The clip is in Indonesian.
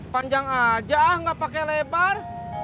panjang aja ah gak pake lebar